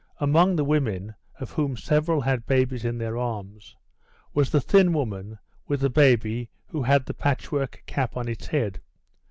Among the women, of whom several had babies in their arms, was the thin woman with the baby who had the patchwork cap on its head.